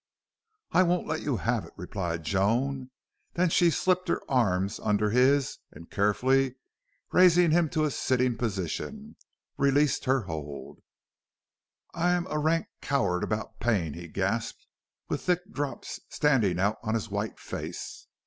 "I won't let you have it," replied Joan. Then she slipped her arms under his and, carefully raising him to a sitting posture, released her hold. "I'm a rank coward about pain," he gasped, with thick drops standing out on his white face.